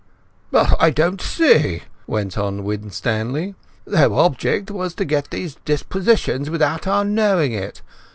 "But I don't see," went on Winstanley. "Their object was to get these dispositions without our knowing it.